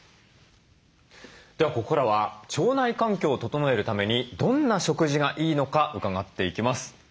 ではここからは腸内環境を整えるためにどんな食事がいいのか伺っていきます。